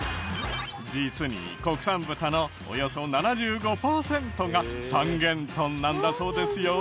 実に国産豚のおよそ７５パーセントが三元豚なんだそうですよ。